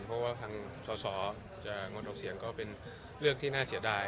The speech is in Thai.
เพราะว่าทางสอสอจะงดออกเสียงก็เป็นเรื่องที่น่าเสียดาย